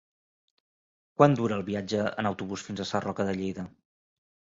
Quant dura el viatge en autobús fins a Sarroca de Lleida?